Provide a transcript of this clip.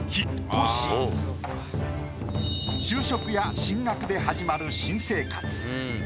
就職や進学で始まる新生活。